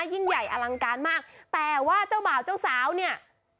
ยิ่งใหญ่อลังการมากแต่ว่าเจ้าบ่าวเจ้าสาวเนี่ย